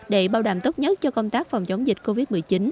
để bảo đảm tốt nhất cho công tác phòng chống dịch covid một mươi chín